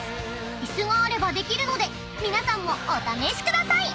椅子があればできるので皆さんもお試しください］